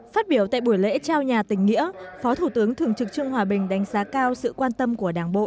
phát biểu tại buổi lễ trao nhà tỉnh nghĩa phó thủ tướng thường trực trương hòa bình đánh giá cao sự quan tâm của đảng bộ